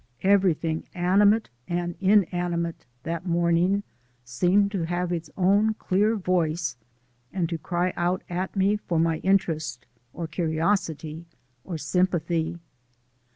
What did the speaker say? Everything animate and inanimate, that morning, seemed to have its own clear voice and to cry out at me for my interest, or curiosity, or sympathy.